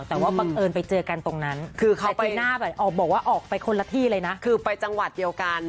แต่จะเป็นจังหวัดเดียวกัน